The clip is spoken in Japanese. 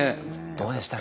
どうでした？